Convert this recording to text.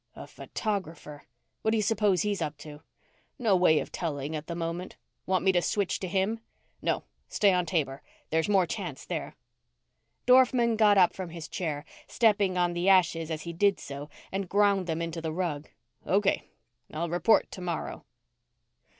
"A photographer. What do you suppose he's up to?" "No way of telling, at the moment. Want me to switch to him?" "No. Stay on Taber. There's more chance there." Dorfman got up from his chair, stepping on the ashes as he did so and ground them into the rug. "Okay, I'll report tomorrow."